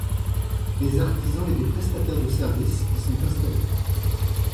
Des artisans et des prestataires de services y sont installés.